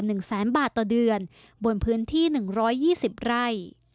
หนึ่งแสนบาทต่อเดือนบนพื้นที่๑๒๐ไร่